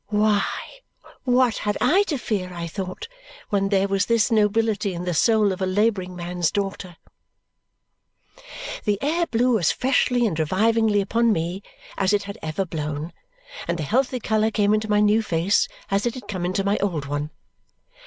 Why, what had I to fear, I thought, when there was this nobility in the soul of a labouring man's daughter! The air blew as freshly and revivingly upon me as it had ever blown, and the healthy colour came into my new face as it had come into my old one.